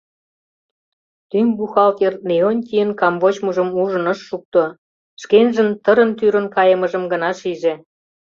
Тӱҥ бухгалтер Леонтийын камвочмыжым ужын ыш шукто, шкенжын тырын-тӱрын кайымыжым гына шиже.